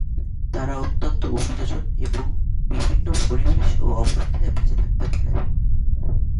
তারা অত্যন্ত অভিযোজন এবং বিভিন্ন পরিবেশ ও অবস্থায় বেঁচে থাকতে পারে।